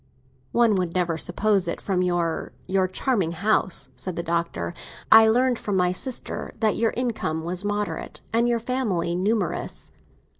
"One would never suppose it from your—your charming house," said the Doctor. "I learned from my sister that your income was moderate, and your family numerous."